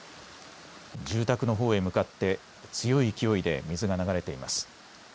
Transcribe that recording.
住宅のほうへ向かって強い勢いで水が流れています。